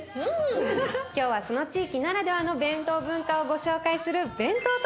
今日はその地域ならではの弁当文化をご紹介するお！